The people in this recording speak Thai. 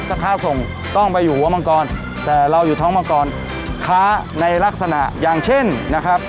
ถ้าค้าส่งต้องไปอยู่หัวมังกรแต่เราอยู่ท้องมังกรค้าในลักษณะอย่างเช่นนะครับ